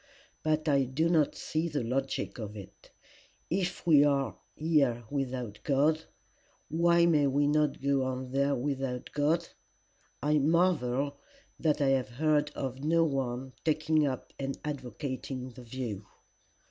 But I do not see the logic of it. If we are here without God, why may we not go on there without God? I marvel that I have heard of no one taking up and advocating the view.